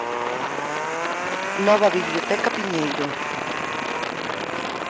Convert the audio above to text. Nova Biblioteca Piñeiro